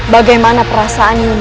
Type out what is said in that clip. bagaimana perasaan yunda